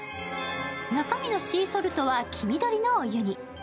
中身のシーソルトは黄緑のお湯に。